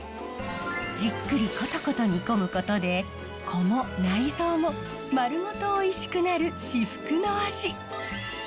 じっくりコトコト煮込むことで子も内臓も丸ごとおいしくなる至福の味。